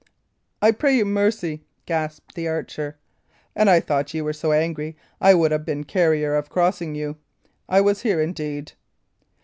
"I pray you mercy!" gasped the archer. "An I had thought ye were so angry I would 'a' been charier of crossing you. I was here indeed."